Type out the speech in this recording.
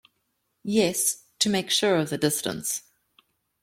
Yes; to make sure of the distance.